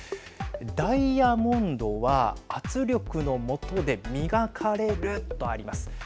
ダイヤモンドは圧力のもとで磨かれるとあります。